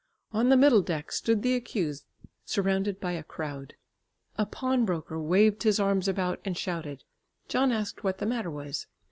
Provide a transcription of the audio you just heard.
On the middle deck stood the accused surrounded by a crowd. A pawnbroker waved his arms about and shouted. John asked what the matter was.